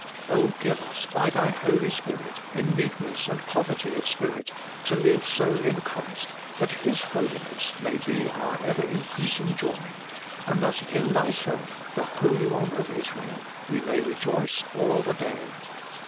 Oh, give us, by Thy Holy Spirit, in meek ness and poverty of spirit, to live so in Christ, that His Holiness may be our ever increasing joy, and that in Thyself, the Holy One of Israel, we may rejoice all the day.